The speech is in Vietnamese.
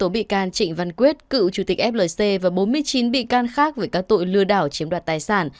sáu bị can trịnh văn quyết cựu chủ tịch flc và bốn mươi chín bị can khác với các tội lừa đảo chiếm đoạt tài sản